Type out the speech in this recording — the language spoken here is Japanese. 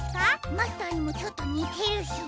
マスターにもちょっとにてるし。